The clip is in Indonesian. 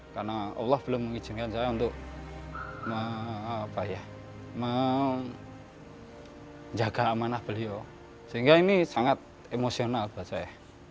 karena allah belum mengizinkan saya untuk menjaga amanah beliau sehingga ini sangat emosional buat saya